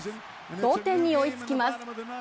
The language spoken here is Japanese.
同点に追いつきます。